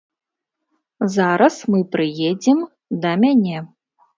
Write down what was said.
Зараз мы прыедзем да мяне.